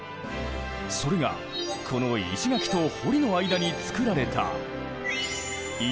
それがこの石垣と堀の間につくられた犬走りだ。